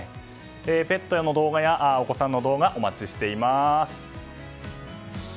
ペットやお子さんの動画お待ちしています。